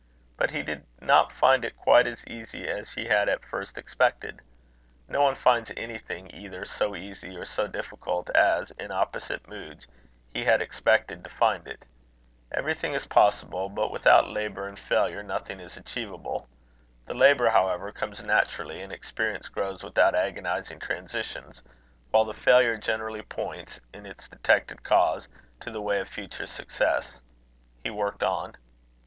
But he did not find it quite so easy as he had at first expected. No one finds anything either so easy or so difficult as, in opposite moods, he had expected to find it. Everything is possible; but without labour and failure nothing is achievable. The labour, however, comes naturally, and experience grows without agonizing transitions; while the failure generally points, in its detected cause, to the way of future success. He worked on.